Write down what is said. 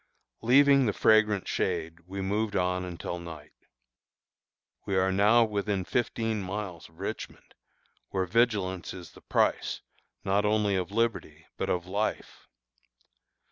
Leaving the fragrant shade, we moved on until night. We are now within fifteen miles of Richmond, where vigilance is the price, not only of liberty, but of life.